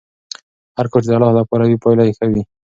هر کار چې د الله لپاره وي پایله یې ښه وي.